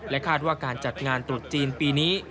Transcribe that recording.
คาดว่าการจัดงานตรุษจีนปีนี้